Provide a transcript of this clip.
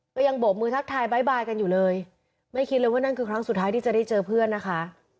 ก็ยังโบกมือทักทายบ๊ายบายกันอยู่เลยไม่คิดเลยว่านั่นคือครั้งสุดท้ายที่จะได้เจอเพื่อนนะคะ